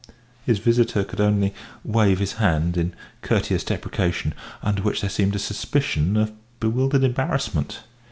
His visitor could only wave his head in courteous deprecation, under which there seemed a suspicion of bewildered embarrassment.